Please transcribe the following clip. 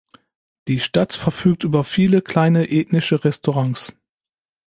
Die Stadt verfügt über viele kleine ethnische Restaurants.